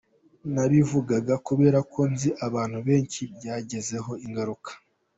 ndabivuga kubera ko nzi abantu benshi byagizeho ingaruka.